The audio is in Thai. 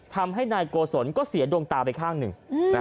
ทำให้นายโกศลก็เสียดวงตาไปข้างหนึ่ง